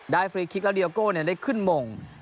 ได้ฟรีคลิกแล้วดีโอโก้ได้ขึ้นหมง